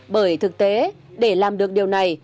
bởi thực tế để làm được điều này